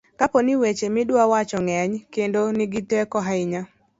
kapo ni weche midwa wacho ng'eny kendo nigi teko ahinya